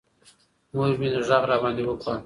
مور مې غږ راباندې وکړ.